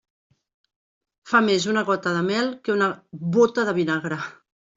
Fa més una gota de mel que una bóta de vinagre.